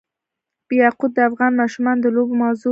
یاقوت د افغان ماشومانو د لوبو موضوع ده.